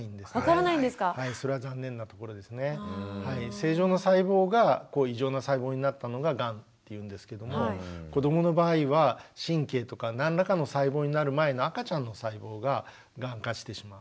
正常な細胞が異常な細胞になったのががんっていうんですけども子どもの場合は神経とか何らかの細胞になる前の赤ちゃんの細胞ががん化してしまう。